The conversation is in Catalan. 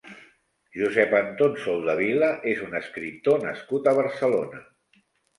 Josep Anton Soldevila és un escriptor nascut a Barcelona.